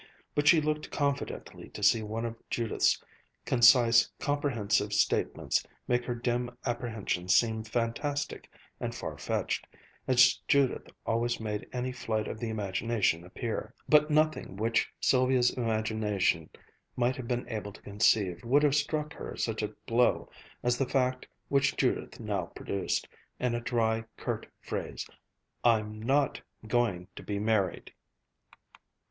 But she looked confidently to see one of Judith's concise, comprehensive statements make her dim apprehensions seem fantastic and far fetched, as Judith always made any flight of the imagination appear. But nothing which Sylvia's imagination might have been able to conceive would have struck her such a blow as the fact which Judith now produced, in a dry, curt phrase: "I'm not going to be married."